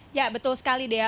iya betul sekali deh ya